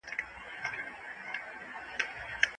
ابن عابدين رحمه الله فرمايلي دي.